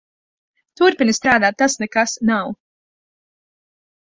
Turpini strādāt. Tas nekas nav.